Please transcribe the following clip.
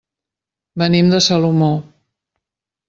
Venim de Salomó.